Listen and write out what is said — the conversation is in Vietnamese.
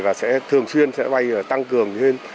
và sẽ thường xuyên bay tăng cường hơn